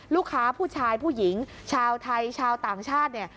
ลูกค้าผู้ชายผู้หญิงชาวไทยชาวต่างชาติเนี่ย